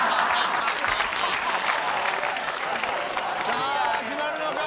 さあ決まるのか！？